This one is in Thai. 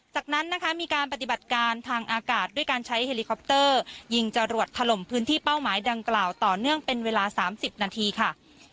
จากนั้นนะคะมีการปฏิบัติการทางอากาศด้วยการใช้เฮลิคอปเตอร์ยิงจรวดถล่มพื้นที่เป้าหมายดังกล่าวต่อเนื่องเป็นเวลา๓๐นาทีค่ะ